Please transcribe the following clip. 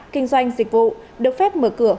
kinh doanh dịch vụ được phép mở cửa